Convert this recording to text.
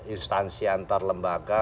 instansi antar lembaga